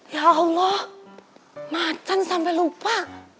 ya allah macan sampai lupa